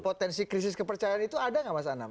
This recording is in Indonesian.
potensi krisis kepercayaan itu ada nggak mas anam